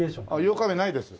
８日目ないです。